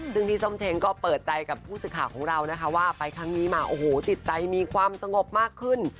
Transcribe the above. ซึ่งพี่ส้มเชงก็เปิดใจกับผู้สื่อข่าวของเรานะคะว่าไปครั้งนี้มาโอ้โหจิตใจมีความสงบมากขึ้น